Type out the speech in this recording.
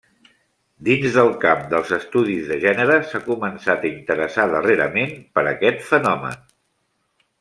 Dins del camp dels Estudis de Gènere s'ha començat a interessar darrerament per aquest fenomen.